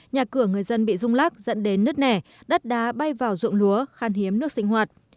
nhà cửa người dân bị rung lắc dẫn đến nứt nẻ đất đá bay vào ruộng lúa khan hiếm nước sinh hoạt